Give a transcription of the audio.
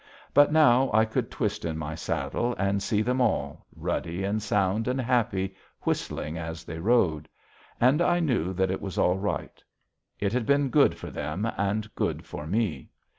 But now I could twist in my saddle and see them all, ruddy and sound and happy, whistling as they rode. And I knew that it was all right. It had been good for them and good for me.